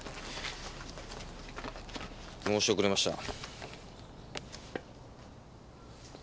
申し遅れました。